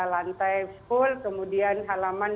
lantai full kemudian halaman